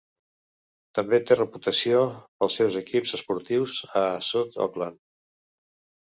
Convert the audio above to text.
També té reputació pels seus equips esportius a South Auckland.